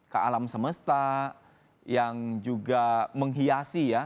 ke alam semesta yang juga menghiasi ya